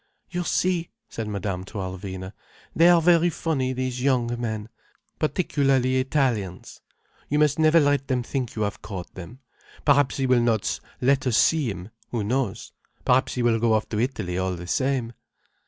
"You see," said Madame to Alvina, "they are very funny, these young men, particularly Italians. You must never let them think you have caught them. Perhaps he will not let us see him—who knows? Perhaps he will go off to Italy all the same."